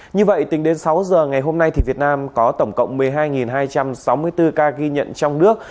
như vậy tính đến sáu giờ ngày hôm nay việt nam có tổng cộng một mươi hai hai trăm sáu mươi bốn ca ghi nhận trong nước